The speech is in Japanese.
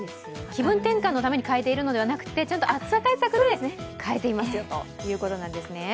気分転換のために変えているのではなくてちゃんと暑さ対策で変えていますよということなんですね。